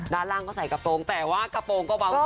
ด้านล่างก็ใส่กระโปรงแต่ว่ากระโปรงก็เบา